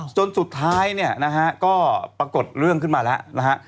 จนสุดท้ายก็ปรากฏเรื่องขึ้นมาแล้ว